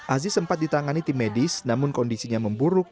aziz sempat ditangani tim medis namun kondisinya memburuk